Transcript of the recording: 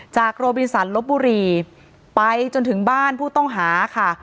โรบินสันลบบุรีไปจนถึงบ้านผู้ต้องหาค่ะ